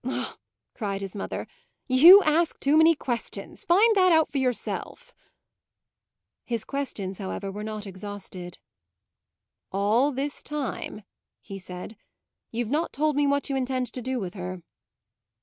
"Ah," cried his mother, "you ask too many questions! Find that out for yourself." His questions, however, were not exhausted. "All this time," he said, "you've not told me what you intend to do with her."